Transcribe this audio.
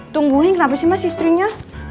tungguin kenapa sih mas istrinya